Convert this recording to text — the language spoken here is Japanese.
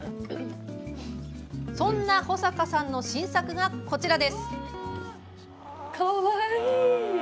そんな保坂さんの新作が、こちら。